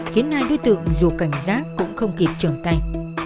khiến hai đối tượng dù cảnh giác cũng không kịp trở tay